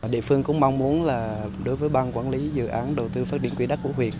địa phương cũng mong muốn đối với bang quản lý dự án đầu tư phát điểm quy đắc của huyện